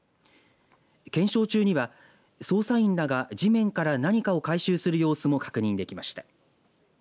検証中には、捜査員らが地面から何かを回収する様子も確認できました。